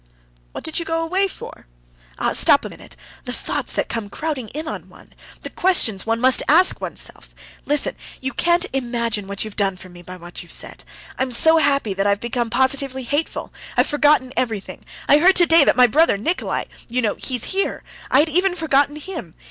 "What did you go away for?" "Ah, stop a minute! Ah, the thoughts that come crowding on one! The questions one must ask oneself! Listen. You can't imagine what you've done for me by what you said. I'm so happy that I've become positively hateful; I've forgotten everything. I heard today that my brother Nikolay ... you know, he's here ... I had even forgotten him.